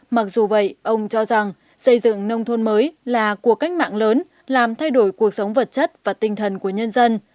mặc dù vậy ông cho rằng xây dựng nông thôn mới là cuộc cách mạng lớn làm thay đổi cuộc sống vật chất và tinh thần của nhân dân